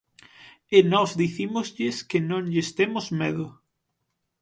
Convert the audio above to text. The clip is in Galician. E nós dicímoslles que non lles temos medo.